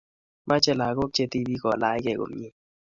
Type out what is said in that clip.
mache lakok che tipik ko lach kee komie